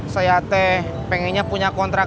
saya ate pengennya punya kontrakan